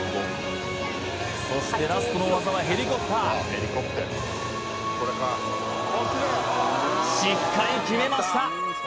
そしてラストの技はヘリコプターしっかり決めました